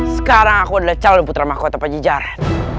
sekarang aku adalah calon putra mahkota panji jaret